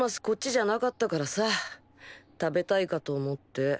こっちじゃなかったからさ食べたいかと思って。